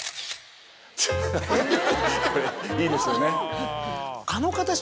ハハハこれいいですよね。